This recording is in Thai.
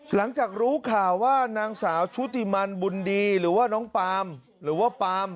หลังจากรู้ข่าวว่านางสาวชุติมันบุญดีหรือว่าน้องปาล์มหรือว่าปาล์ม